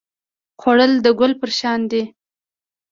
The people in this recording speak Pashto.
خوړل د ګل پر شان دی